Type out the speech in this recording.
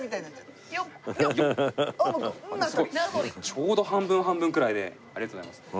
ちょうど半分半分くらいでありがとうございます。